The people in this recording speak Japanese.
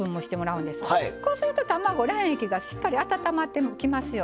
こうすると卵卵液がしっかり温まってきますよね。